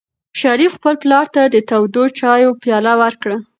شریف خپل پلار ته د تودو چایو پیاله ورکړه.